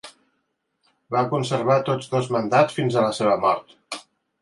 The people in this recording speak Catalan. Va conservar tots dos mandats fins a la seva mort.